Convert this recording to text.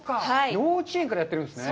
幼稚園からやってるんですね。